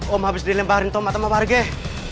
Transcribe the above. om habis dilemparin tomat sama warga